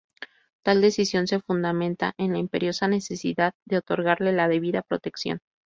Tal decisión se fundamenta en la imperiosa necesidad de otorgarle la debida protección.